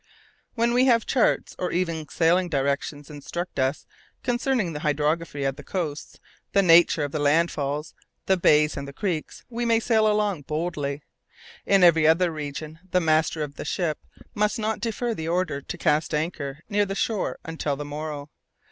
When we have charts, or even sailing directions to instruct us concerning the hydrography of the coasts, the nature of the landfalls, the bays and the creeks, we may sail along boldly. In every other region, the master of a ship must not defer the order to cast anchor near the shore until the morrow.